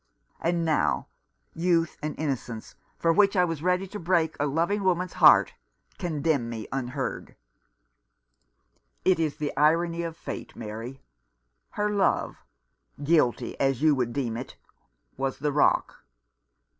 "And now youth and innocence, for which I was ready to break a loving woman's heart, con demn me unheard. It is the irony of fate, Mary. 167 Rough Justice. Her love — guilty as you would deem it — was the rock.